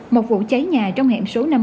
một vụ cháy nhà trong hẹm số năm mươi